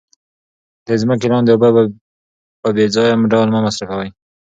د ځمکې لاندې اوبه په بې ځایه ډول مه مصرفوئ.